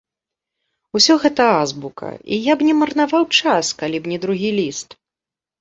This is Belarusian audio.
Усё гэта азбука, і я б не марнаваў час, калі б не другі ліст.